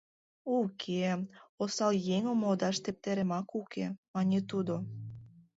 — Уке, осал еҥым модаш тептеремак уке, — мане тудо.